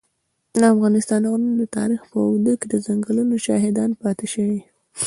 د افغانستان غرونه د تاریخ په اوږدو کي د جنګونو شاهدان پاته سوي.